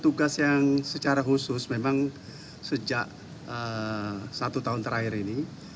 tugas yang secara khusus memang sejak satu tahun terakhir ini